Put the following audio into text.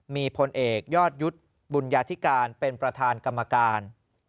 มีพลเอกยอดยุทธ์บุญญาธิการเป็นประธานกรรมการ